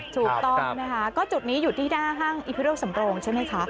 ถูกต้องนะคะก็จุดนี้อยู่ที่หน้าห้างอิพิโรสำโรงใช่ไหมคะ